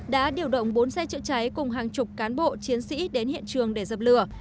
đã điều động bốn xe chữa cháy cùng hàng chục cán bộ chiến sĩ đến hiện trường để dập lửa